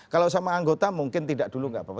kalau sama anggota mungkin tidak dulu nggak apa apa